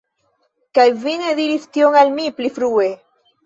Kaj vi ne diris tion al mi pli frue!